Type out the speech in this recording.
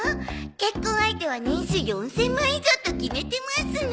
結婚相手は年収４０００万以上と決めてますの。